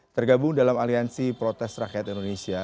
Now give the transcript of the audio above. tergabung dalam aliansi protes rakyat indonesia